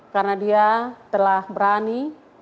karena dia telah berani